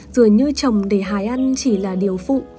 rồi như trồng để hái ăn chỉ là điều phụ